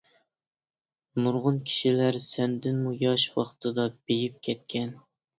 نۇرغۇن كىشىلەر سەندىنمۇ ياش ۋاقتىدا بېيىپ كەتكەن.